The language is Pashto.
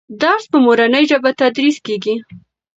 درس په مورنۍ ژبه تدریس کېږي.